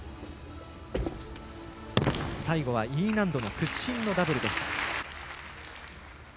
最後はＥ難度の屈身のダブルでした。